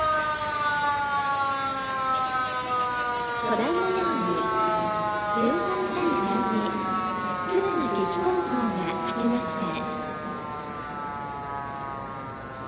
ご覧のように１３対３で敦賀気比高校が勝ちました。